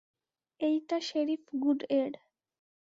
এই টা sheriff Good এর।